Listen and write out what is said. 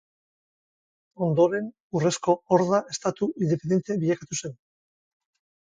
Ondoren, Urrezko Horda estatu independente bilakatu zen.